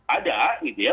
ada gitu ya